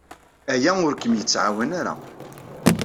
Aya ur kem-yettɛawan ara.